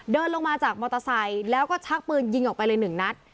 เดินลงมาจากมอเตอร์ไซค์แล้วก็ชักปืนยิงออกไปเลยหนึ่งนัด